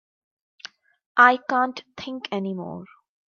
I can't think any more.